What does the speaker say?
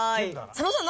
佐野さん